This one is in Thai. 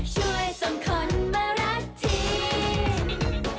ช่วยส่งคนมารักที